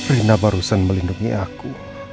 rena barusan melindungi aku